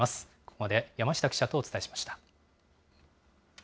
ここまで、山下記者とお伝えしました。